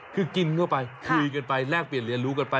คือกินเข้าไปคุยกันไปแลกเปลี่ยนเรียนรู้กันไป